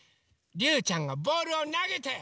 りゅうちゃんがボールをなげて。